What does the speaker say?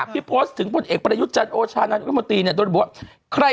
พี่โพสต์ถึงพลเอกประยุจจันทร์โอชานาธิมตรีเนี่ยโดยที่บอกว่า